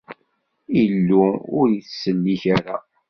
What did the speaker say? Illu ur t-ittsellik ara!